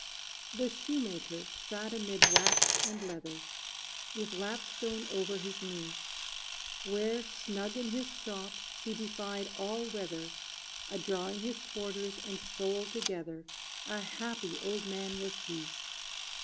The shoemaker sat amid wax and leather, With lapstone over his knee; Where, snug in his shop, he defied all weather, A drawing his quarters and sole together: A happy old man was he!